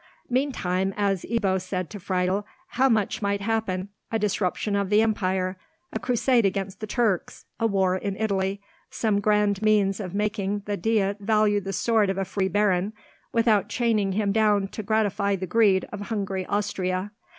Meantime, as Ebbo said to Friedel, how much might happen—a disruption of the empire, a crusade against the Turks, a war in Italy, some grand means of making the Diet value the sword of a free baron, without chaining him down to gratify the greed of hungry Austria.